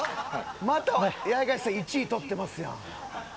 また八重樫さん１位取ってますやん。